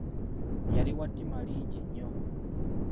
Yali wa ttima lingi nnyo.